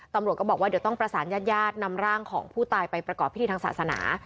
ตำรวจก็บอกว่าเดี๋ยวต้องประสานญาติญาตินำร่างของผู้ตายไปประกอบพิธีทางศาสนา